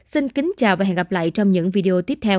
xin kính chào và hẹn gặp lại trong những video tiếp theo